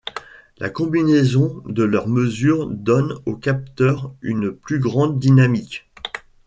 La combinaison de leurs mesures donne au capteur une plus grande dynamique.